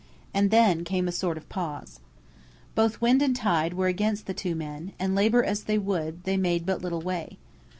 And then came a sort of pause. Both wind and tide were against the two men, and labour as they would they made but little way.